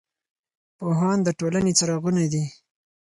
پوهان د ټولنې څراغونه دي.